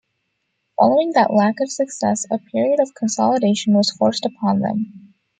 Following that lack of success, a period of consolidation was forced upon them.